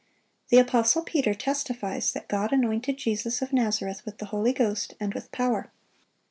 The apostle Peter testifies that "God anointed Jesus of Nazareth with the Holy Ghost and with power."